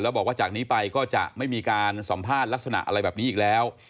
แล้วบอกว่าจากนี้ไปก็จะไม่มีการสัมภาษณ์ลักษณะอะไรแบบนี้อีกแล้ว